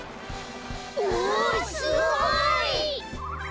おおすごい！